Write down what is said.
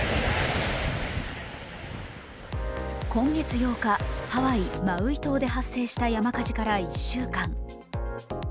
今月８日、ハワイ・マウイ島で発生した山火事から１週間。